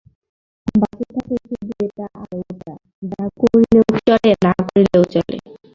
বাকি থাকে শুধু এটা আর ওটা, যা করিলেও চলে, না করিলেও চলে।